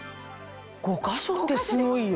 ５か所ってすごいよ。